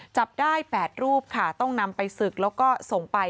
จับได้๘รูปค่ะต้องนำไปศึกแล้วก็ส่งไป